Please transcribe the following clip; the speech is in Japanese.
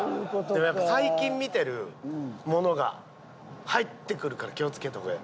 でもやっぱ最近見てるものが入ってくるから気をつけた方がええ。